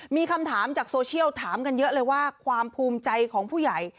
มีคำถามจากโซเชียลถามกันเยอะเลยว่าความภูมิใจของผู้ใหญ่